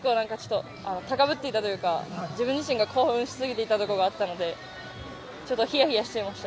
高ぶっていたというか自分自身が興奮しすぎていたところがあったのでちょっとひやひやしちゃいました。